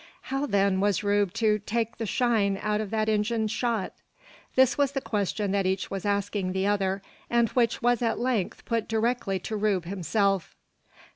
How, then, was Rube to "take the shine out o' that Injun's shot"? This was the question that each was asking the other, and which was at length put directly to Rube himself.